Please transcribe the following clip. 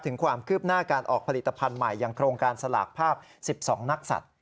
ถึงความคืบหน้าการออกผลิตภัณฑ์ใหม่อย่างโครงการสลากภาพ๑๒นักศัตริย